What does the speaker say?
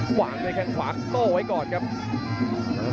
ขวางในแข่งขวาโต้ไว้ก่อนครับ